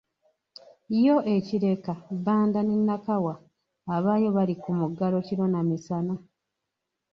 Yo e Kireka, Bbanda ne Nakawa, abaayo bali ku muggalo kiro na misana,